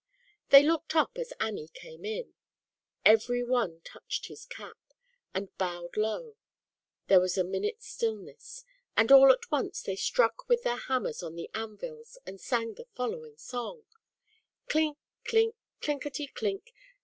They looked up as Annie came in. Every one touched his cap, and bowed low. Then there was a minute's still ness, and all at once they struck with their hammers on the anvils and sang; the following song: ZAUBERLINDA, THE WISE WITCH. 173 " Klink ! klink ! klinkety ! klink